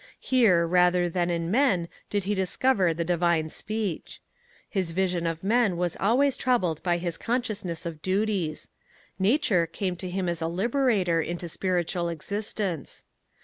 Here rather than in men did he discover the divine speech. His vision of men was always troubled by his consciousness of duties. Nature came to him as a liberator into spiritual existence.